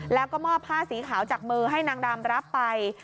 แล้วก็มอบผ้าสีขาวจากมือให้นางดำรับไป